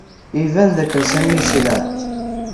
Iban dakken Sami yecleɛ-d.